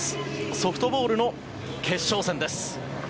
ソフトボールの決勝戦です。